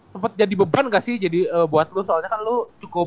sempet jadi beban gak sih jadi buat lu soalnya kan lu